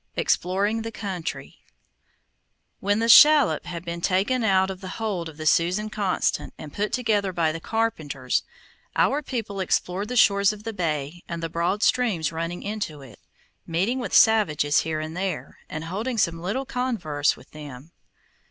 EXPLORING THE COUNTRY When the shallop had been taken out of the hold of the Susan Constant, and put together by the Carpenters, our people explored the shores of the bay and the broad streams running into it, meeting with savages here and there, and holding some little converse with them.